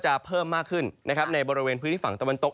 เพิ่มมากขึ้นนะครับในบริเวณพื้นที่ฝั่งตะวันตก